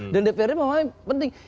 dan dprd memahami penting